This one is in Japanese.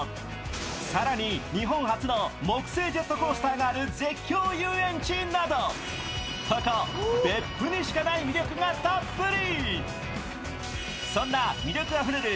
更に日本初の木製ジェットコースターのある絶叫遊園地など、ここ別府にしかない魅力がたっぷり。